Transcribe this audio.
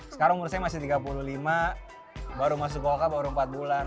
sekarang umur saya masih tiga puluh lima baru masuk golkar baru empat bulan